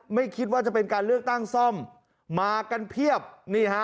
ไม่คิดว่าจะเป็นการเลือกตั้งซ่อมมากันเพียบนี่ฮะ